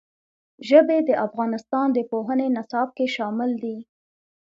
ژبې د افغانستان د پوهنې نصاب کې شامل دي.